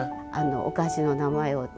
お菓子の名前を。